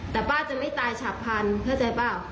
แต่ป้าจะไม่ตายฉับพันธุ์เข้าใจเปล่า